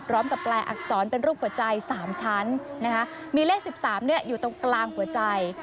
กับแปลอักษรเป็นรูปหัวใจ๓ชั้นนะคะมีเลข๑๓อยู่ตรงกลางหัวใจ